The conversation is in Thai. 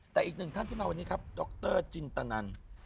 แต่อีกหนึ่งท่านที่มาวันนี้ครับดรจินตนัน